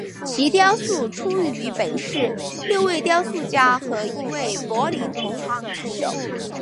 其雕塑出于本市六位雕塑家和一位柏林同行之手。